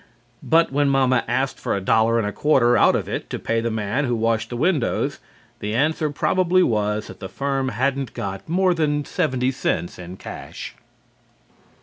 But when Momma asked for a dollar and a quarter out of it to pay the man who washed the windows, the answer probably was that the firm hadn't got more than seventy cents in cash.